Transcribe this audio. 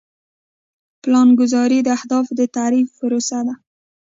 پلانګذاري د اهدافو د تعریف پروسه ده.